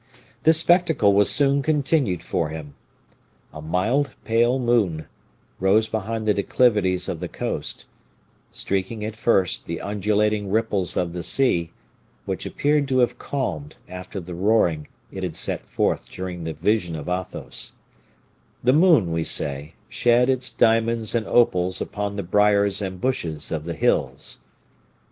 This spectacle was soon continued for him. A mild pale moon rose behind the declivities of the coast, streaking at first the undulating ripples of the sea, which appeared to have calmed after the roaring it had sent forth during the vision of Athos the moon, we say, shed its diamonds and opals upon the briers and bushes of the hills.